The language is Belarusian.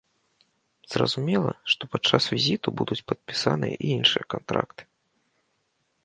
Зразумела, што падчас візіту будуць падпісаныя і іншыя кантракты.